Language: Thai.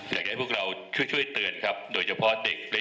อยากให้พวกเราช่วยเตือนครับโดยเฉพาะเด็ก